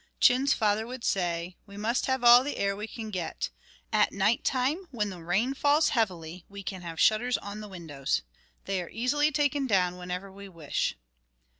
Chin's father would say: "We must have all the air we can get. At night time, when the rain falls heavily, we can have shutters on the windows. They are easily taken down whenever we wish."